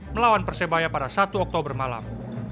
melawan persebaya pada satu oktober malam